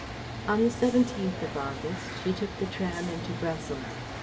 On the 17th of August she took the tram into Brussels.